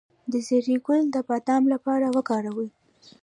د زیرې ګل د باد لپاره وکاروئ